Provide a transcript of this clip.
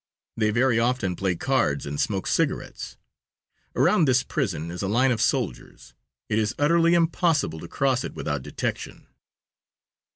They very often play cards and smoke cigarettes. Around this prison is a line of soldiers. It is utterly impossible to cross it without detection.